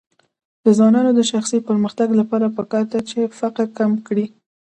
د ځوانانو د شخصي پرمختګ لپاره پکار ده چې فقر کم کړي.